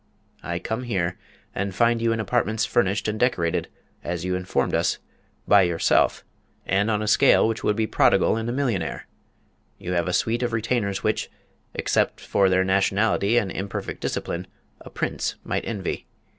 I come here, and find you in apartments furnished and decorated (as you informed us) by yourself, and on a scale which would be prodigal in a millionaire. You have a suite of retainers which (except for their nationality and imperfect discipline) a prince might envy.